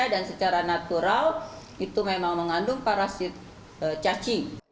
dan juga produk ikan makarel yang tersebut